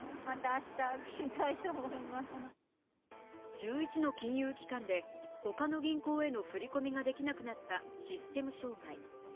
１１の金融機関で他の銀行への振り込みができなくなったシステム障害。